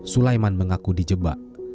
sulaiman mengaku dijebak